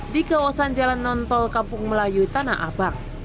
di kawasan jalan nontol kampung melayu tanah abang